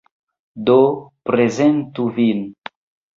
Do, prezentu vin!